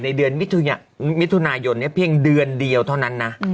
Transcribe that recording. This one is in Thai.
ในเดือนมิถุนายนเพียงเดือนเดียวเท่านั้นนะ